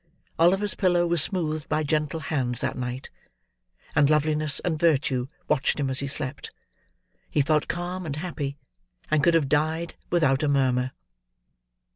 Oliver's pillow was smoothed by gentle hands that night; and loveliness and virtue watched him as he slept. He felt calm and happy, and could have died without a murmur.